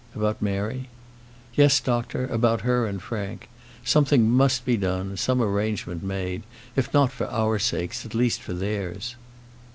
"About Mary?" "Yes, doctor; about her and Frank: something must be done, some arrangement made: if not for our sakes, at least for theirs."